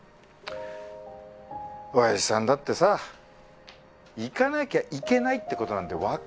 おやじさんだってさ行かなきゃいけないってことなんて分かってんのよ。